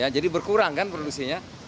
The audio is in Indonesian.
jadi berkurang kan produksinya